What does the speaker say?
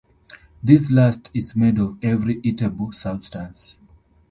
This last is made of every eatable substance.